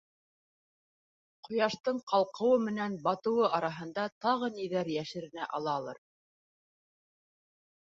Ҡояштың ҡалҡыуы менән батыуы араһында тағы ниҙәр йәшеренә алалыр...